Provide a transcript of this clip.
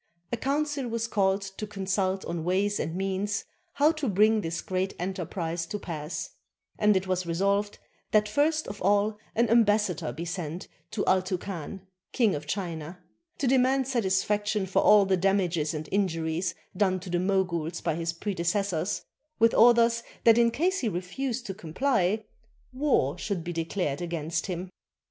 A council was called to consult on ways and means how to bring this great enterprise to pass ; and it was resolved that first of all an ambassador be sent to Altouncan, King of China, to demand satis faction for all the damages and injuries done to the Moguls by his predecessors, with orders that in case he refused to comply, war should be declared against him.